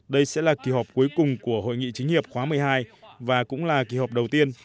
đây sẽ là kỳ họp cuối cùng của hội nghị chính hiệp khóa một mươi hai và cũng là kỳ họp đầu tiên